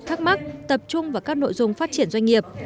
thắc mắc tập trung vào các nội dung phát triển doanh nghiệp